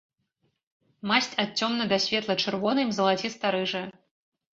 Масць ад цёмна- да светла-чырвонай м залаціста-рыжая.